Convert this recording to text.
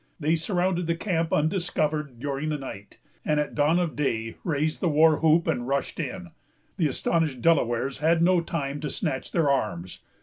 They surrounded the camp undiscovered, during the night, and at dawn of day raised the war whoop and rushed in. The astonished Delawares had no time to snatch their arms.